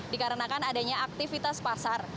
dikarenakan adanya aktivitas pasar